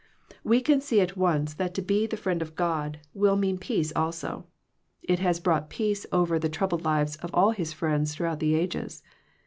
We can see at once that to be the friend of God will mean peace also. It has brought peace over the troubled lives of all His friends throughout the ages.